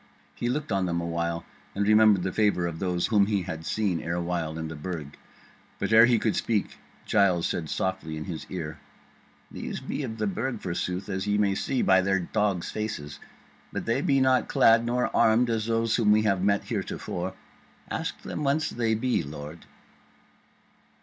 He looked on them a while and remembered the favour of those whom he had seen erewhile in the Burg; but ere he could speak Giles said softly in his ear: "These be of the Burg, forsooth, as ye may see by their dogs' faces; but they be not clad nor armed as those whom we have met heretofore. Ask them whence they be, lord."